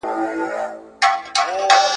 صبر تریخ دی خو میوه یې خوږه ده ,